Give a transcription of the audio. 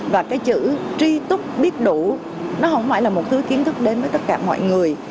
và cái chữ tri túc biết đủ nó không phải là một thứ kiến thức đến với tất cả mọi người